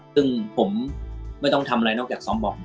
ซึ่งผมไม่ต้องทำอะไรนอกจากซ้อมบอก